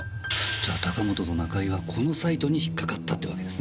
じゃ高本と中井はこのサイトに引っかかったってわけですね？